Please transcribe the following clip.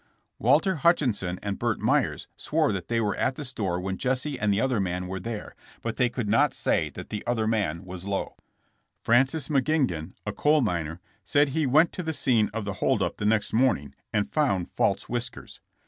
'' Walter Hutchison and Bert Meyers swore that they were at the store when Jesse and the other man were there, but they could not say that the other man was Lowe. Francis McGingan, a coal miner, said he went to the scene of the hold up the next morning and found false whiskers.